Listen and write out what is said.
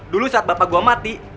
dulu saat bapak gue mati